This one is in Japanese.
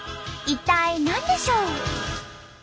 一体何でしょう？